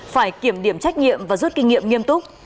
phải kiểm điểm trách nhiệm và rút kinh nghiệm nghiêm túc